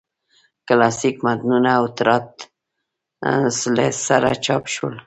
کلاسیک متنونه او تراث له سره چاپ شول.